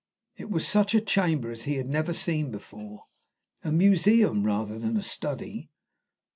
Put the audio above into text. It was such a chamber as he had never seen before a museum rather than a study.